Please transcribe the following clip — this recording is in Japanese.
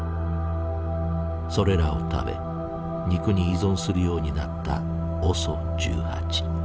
それらを食べ肉に依存するようになったＯＳＯ１８。